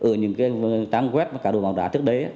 ở những trang web và cá đồ bóng đá trước đấy